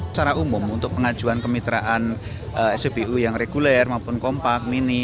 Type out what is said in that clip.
secara umum untuk pengajuan kemitraan spbu yang reguler maupun kompak mini